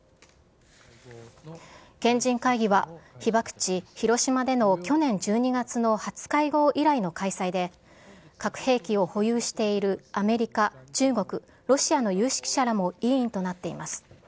賢人会議は、被爆地、広島での去年１２月の初会合以来の開催で、核兵器を保有しているアメリカ、中国、ロシアの有識者らも委員となっています。